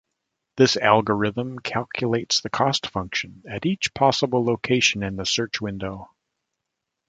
This algorithm calculates the cost function at each possible location in the search window.